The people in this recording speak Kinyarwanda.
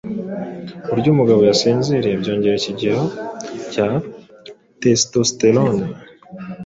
uburyo umugabo yasinziriye byongera ikigero cya testosterone,